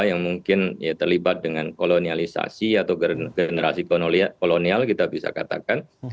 yang mungkin terlibat dengan kolonialisasi atau generasi kolonial kita bisa katakan